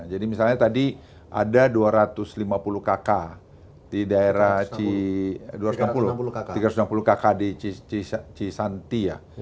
jadi misalnya tadi ada dua ratus lima puluh kk di daerah cisanti ya